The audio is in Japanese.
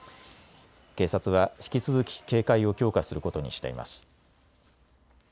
警察は引き続き警戒を強化することにしています。